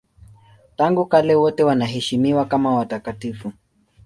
Tangu kale wote wanaheshimiwa kama watakatifu.